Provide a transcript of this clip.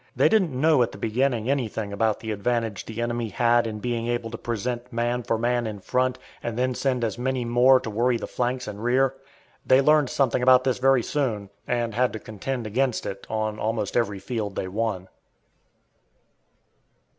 They didn't know at the beginning anything about the advantage the enemy had in being able to present man for man in front and then send as many more to worry the flanks and rear. They learned something about this very soon, and had to contend against it on almost every field they won.